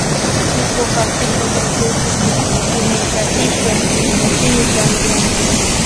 kiko katika gazeti limechapishwa nchini tanzania